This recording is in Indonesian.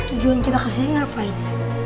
tujuan kita kesini ngapain